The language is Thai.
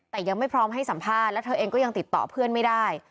แต่ยังไม่พร้อมให้สัมภาษณ์แล้วเธอเองก็ยังติดต่อเพื่อนไม่ได้